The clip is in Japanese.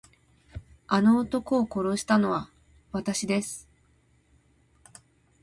あの男を殺したのはわたしです。